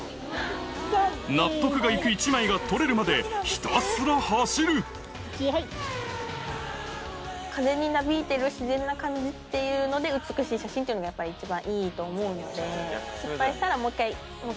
納得が行く一枚が撮れるまでひたすら走るっていうので美しい写真っていうのがやっぱり一番いいと思うので。